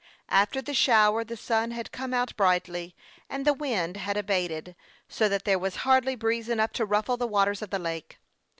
After the shower the sun had come out brightly, and the wind had abated so that there was hardly breeze enough to ruffle the waters of the lake.